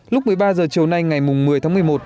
lúc một mươi ba h chiều nay ngày một mươi tháng một mươi một